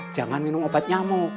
jangan minum obat nyamuk